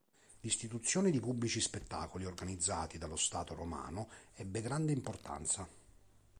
L'istituzione di pubblici spettacoli organizzati dallo Stato romano ebbe grande importanza.